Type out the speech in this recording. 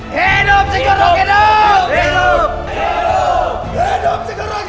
hidup segorok hidup